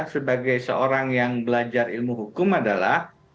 sebagai seorang yang belajar ilmu hukum adalah